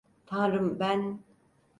Tanrım, ben…